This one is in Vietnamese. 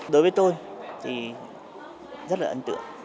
đối với tôi thì rất là ấn tượng